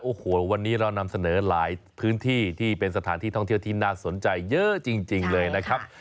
โอ้โหวันนี้เรานำเสนอหลายพื้นที่ที่เป็นสถานที่ท่องเที่ยวที่น่าสนใจเยอะจริงเลยนะครับ